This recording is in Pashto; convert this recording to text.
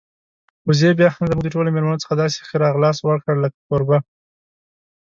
وزې بيا هم زموږ د ټولو میلمنو څخه داسې ښه راغلاست وکړ لکه کوربه.